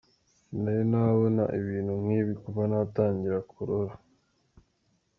Sinari nabona ibintu nk’ibi kuva natangira korora.